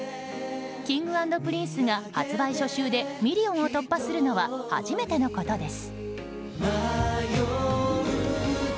Ｋｉｎｇ＆Ｐｒｉｎｃｅが発売初週でミリオンを突破するのは初めてのことです。